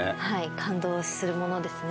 感動するものですね。